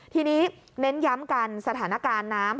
ทีนี้เน้นย้ำกันสถานการณ์น้ำ